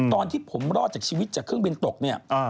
ตอนที่ผมรอดชีวิตจากเครื่องบินตก